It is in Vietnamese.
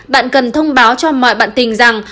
bạn cần thông báo cho mọi bạn tình rằng